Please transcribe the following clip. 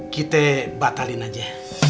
kita batalin aja